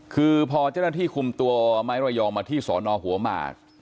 คือพอเจ้าหน้าที่คุมตัวไม้ระยองมาที่สอนอหัวหมาก